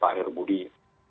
pak heru budih